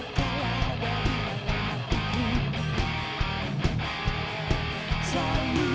jangan bikin gaji